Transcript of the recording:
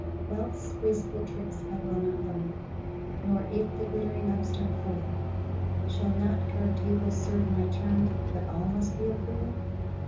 Wealth's wasteful tricks I will not learn, Nor ape the glittering upstart fool;—Shall not carved tables serve my turn, But all must be of buhl?